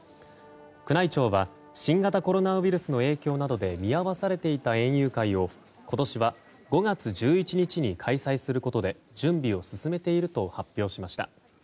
宮内庁は新型コロナウイルスの影響などで見合わされていた園遊会を今年は５月１１日に開催することで準備を進めていると発表しました。